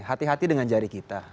hati hati dengan jari kita